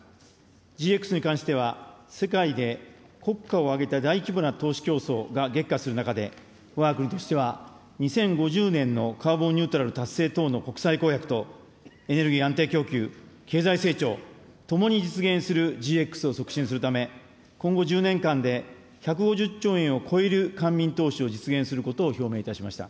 ＧＸに関しては、世界で国家を挙げた大規模な投資競争が激化する中で、わが国としては、２０５０年のカーボンニュートラル達成等の国際公約と、エネルギー安定供給、経済成長、ともに実現するＧＸを促進するため、今後１０年間で１５０兆円を超える官民投資を実現することを表明いたしました。